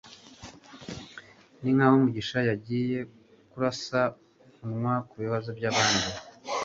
Ninkaho Mugisha yagiye kurasa umunwa kubibazo byabandi